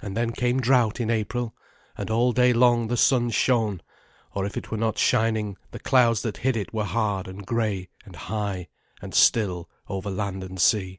And then came drought in April, and all day long the sun shone, or if it were not shining the clouds that hid it were hard and grey and high and still over land and sea.